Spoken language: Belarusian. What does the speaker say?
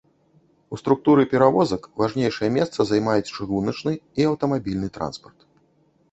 У структуры перавозак важнейшае месца займаюць чыгуначны і аўтамабільны транспарт.